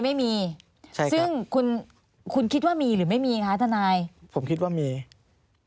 มันมีเหตุยิงกันตายห่างจากโรงพรคหางจากกองบัญชาการตลอดภูทรภาค๘แค่สองกิโล